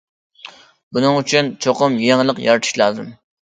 بۇنىڭ ئۈچۈن، چوقۇم يېڭىلىق يارىتىش لازىم.